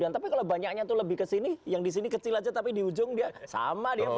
tapi kalau banyaknya itu lebih ke sini yang di sini kecil aja tapi di ujung dia sama dia